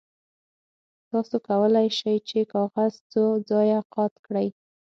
تاسو کولی شئ چې کاغذ څو ځایه قات کړئ.